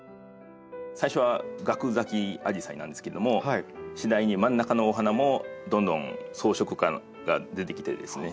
最初はガク咲きアジサイなんですけども次第に真ん中のお花もどんどん装飾花が出てきてですね。